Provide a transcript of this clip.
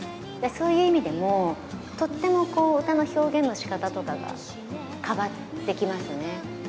そういう意味でも、とっても歌の表現のしかたとかが変わってきま